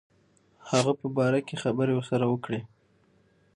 هغه په باره کې خبري ورسره وکړي.